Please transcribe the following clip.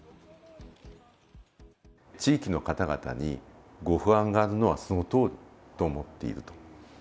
地域の方々にご不安があるのはそのとおりと思っていると。